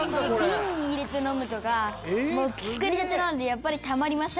「瓶に入れて飲むとか作りたてなんでやっぱりたまりませんね」